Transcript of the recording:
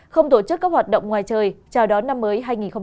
không tổ chức các hoạt động ngoài trời chào đón năm mới hai nghìn hai mươi